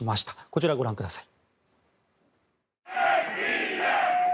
こちら、ご覧ください。